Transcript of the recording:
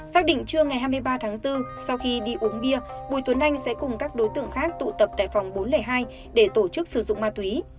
xác định trưa ngày hai mươi ba tháng bốn sau khi đi uống bia bùi tuấn anh sẽ cùng các đối tượng khác tụ tập tại phòng bốn trăm linh hai để tổ chức sử dụng ma túy